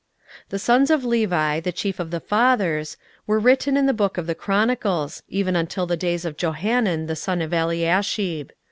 16:012:023 The sons of Levi, the chief of the fathers, were written in the book of the chronicles, even until the days of Johanan the son of Eliashib.